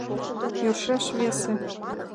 Йӧршеш весе...